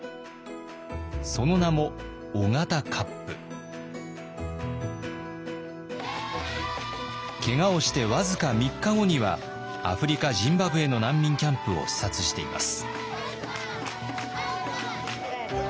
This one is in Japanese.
その名もけがをして僅か３日後にはアフリカ・ジンバブエの難民キャンプを視察しています。